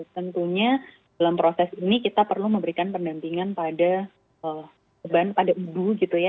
tentunya dalam proses ini kita perlu memberikan pendampingan pada keban pada ibu gitu ya